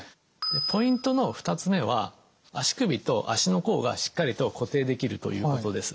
ポイントの２つ目は足首と足の甲がしっかりと固定できるということです。